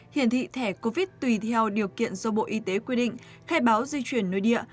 hiển thị thẻ covid tùy theo điều kiện do bộ y tế quy định khai báo di chuyển nội địa